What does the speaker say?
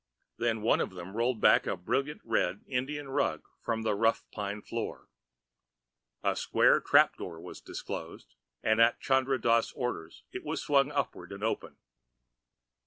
Then one of them rolled back the brilliant red Indian rug from the rough pine floor. A square trap door was disclosed, and at Chandra Dass' order, it was swung upward and open.